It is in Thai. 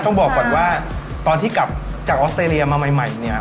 ต้องบอกก่อนว่าตอนที่กลับจากออสเตรเลียมาใหม่เนี่ย